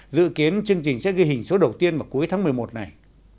dự kiến chương trình sẽ ghi hình số đầu tiên vào cuối tháng một mươi một này